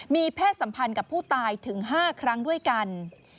มีเพศสัมพันธ์กับผู้ตายถึง๕ครั้งด้วยกัน